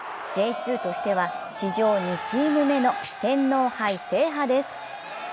Ｊ２としては史上２チーム目の天皇杯制覇です。